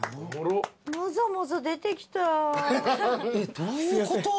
えっどういうこと？